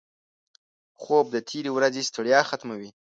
خوب د تېرې ورځې ستړیا ختموي